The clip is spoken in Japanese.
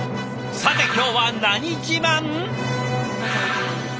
さて今日は何自慢？